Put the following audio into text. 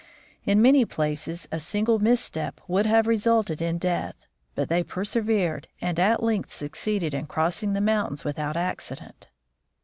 In many places a single misstep would have resulted in death, but they persevered and at length succeeded in crossing the mountains without accident.